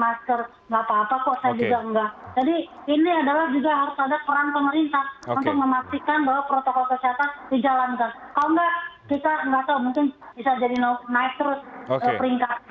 kalau tidak kita tidak tahu mungkin bisa jadi no nice terus peringkatnya